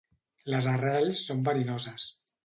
Les arrels són verinoses.